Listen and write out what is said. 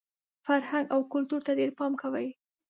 فرهنګ او کلتور ته ډېر پام کوئ!